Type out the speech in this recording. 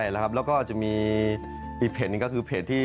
แล้วก็จะมีอีกเพจนึงก็คือ